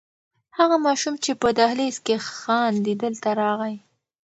هغه ماشوم چې په دهلېز کې خاندي دلته راغی.